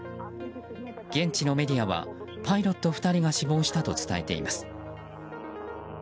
現地のメディアはパイロット２人が死亡したと伝えています。